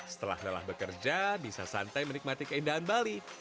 setelah lelah bekerja bisa santai menikmati keindahan bali